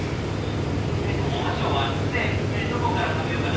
えっとお箸を割ってどこから食べようかな。